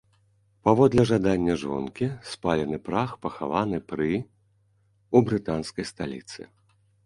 Паводле жадання жонкі спалены прах пахаваны пры ў брытанскай сталіцы.